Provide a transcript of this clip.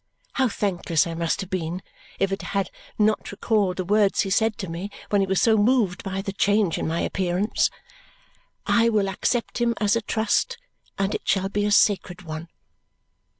How thankless I must have been if it had not recalled the words he said to me when he was so moved by the change in my appearance: "I will accept him as a trust, and it shall be a sacred one!"